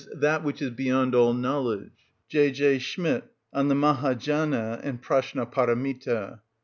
_, that which is beyond all knowledge (J. J. Schmidt, "On the Maha‐Jana and Pratschna Paramita").